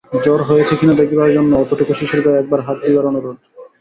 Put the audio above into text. জ্বর হয়েছে কি না দেখিবার জন্য অতটুকু শিশুর গায়ে একবার হাত দিবার অনুরোধ।